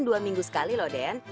dua minggu sekali loh den